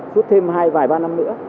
suốt thêm hai vài ba năm nữa